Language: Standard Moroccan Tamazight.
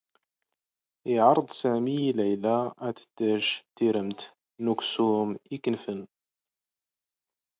ⵉⵄⴰⵕⴹ ⵙⴰⵎⵉ ⵉ ⵍⴰⵢⵍⴰ ⴰⴷ ⵜⵛⵛ ⵜⵉⵔⵎⵜ ⵏ ⵓⴽⵙⵓⵎ ⵉⴽⵏⴼⵏ.